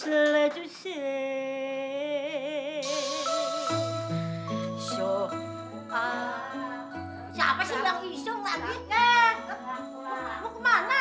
mati lampu tinggal mati lampu